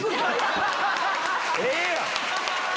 ええやん！